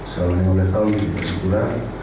selama lima belas tahun persipura